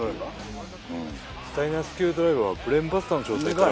スタイナースクリュードライバーはブレーンバスターの状態から。